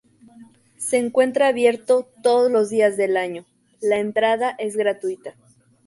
Se encuentra abierto todos los días del año, la entrada es gratuita.